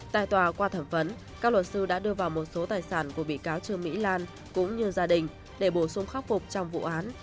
tại tòa qua thẩm vấn các luật sư đã đưa vào một số tài sản của bị cáo trương mỹ lan cũng như gia đình để bổ sung khắc phục trong vụ án